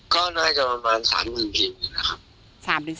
ก็น่าจะประมาณ๓๔หมื่นบาท